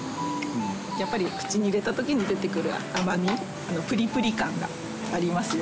やっぱり口に入れた時に出てくる甘みプリプリ感がありますよ。